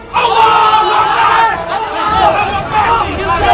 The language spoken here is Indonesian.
halangi mereka semua